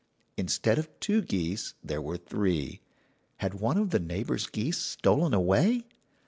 "Instead of two geese there were three. Had one of the neighbours' geese stolen away?